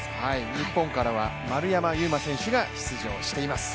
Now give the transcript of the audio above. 日本からは丸山優真選手が出場しています。